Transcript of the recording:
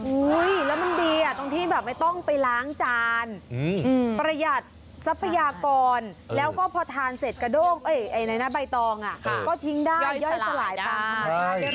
อุ้ยแล้วมันดีอ่ะตรงที่แบบไม่ต้องไปล้างจานประหยัดทรัพยากรแล้วก็พอทานเสร็จใบตองก็ทิ้งได้ย่อยสลายตาม